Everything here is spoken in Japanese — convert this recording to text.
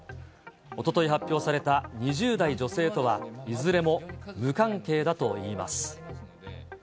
おととい発表された２０代女性とは、いずれも無関係だといいます。